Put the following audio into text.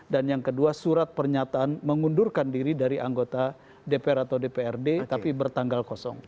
dan yang kedua surat pernyataan mengundurkan diri dari anggota dpr atau dprd tapi bertanggal kosong